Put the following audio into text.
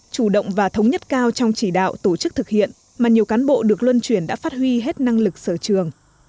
chủ động và thống nhất cao trong chỉ đạo tổ chức thực hiện mà nhiều cán bộ được luân truyền đã phát huy hết năng lực sở trường